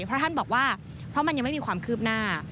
เพราะท่านบอกว่าเพราะมันยังไม่มีความคืบหน้า